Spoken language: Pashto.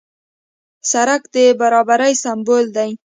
سړک د برابرۍ سمبول دی.